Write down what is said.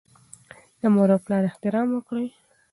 د مور او پلار احترام وکړئ.